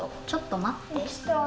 ちょっとまって。